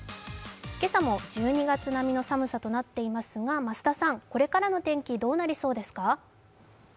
今朝も１２月並みの寒さとなっていますがこれからの天気、どうなりそうですか？